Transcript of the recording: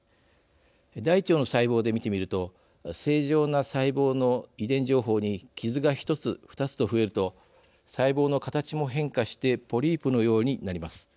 大腸の細胞で見てみると正常な細胞の遺伝情報に傷が１つ、２つと増えると細胞の形も変化してポリープのようになります。